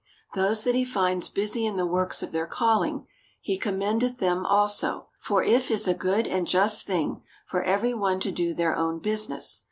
Those that he finds busy in the works of their calling, he commendeth them also : for if is a good and just thing for every one to do their own business.